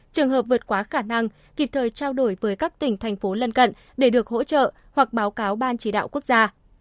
trường hợp vượt quá khả năng kịp thời trao đổi với các tỉnh thành phố lân cận để được hỗ trợ hoặc báo cáo ban chỉ đạo quốc gia